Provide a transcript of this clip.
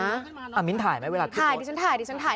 อะมิ้นถ่ายไหมเวลาที่ปลดถ่ายดิฉันถ่าย